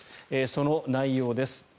その内容です。